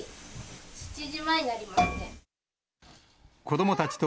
７時前になりますね。